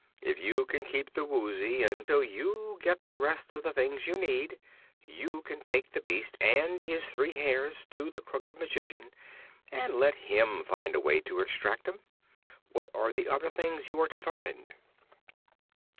If you can keep the Woozy until you get the rest of the things you need, you can take the beast and his three hairs to the Crooked Magician and let him find a way to extract 'em. What are the other things you are to find?"